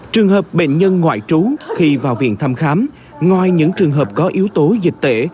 trường hợp bệnh nhân ngoại trú khi vào viện thăm khám ngoài những trường hợp có yếu tố dịch tễ